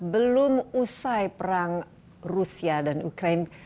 belum usai perang rusia dan ukraine